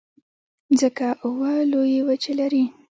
مځکه اوه لویې وچې لري.